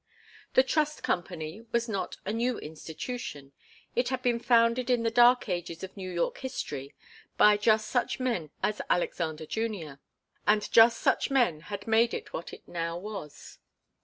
The Trust Company was not a new institution. It had been founded in the dark ages of New York history, by just such men as Alexander Junior, and just such men had made it what it now was.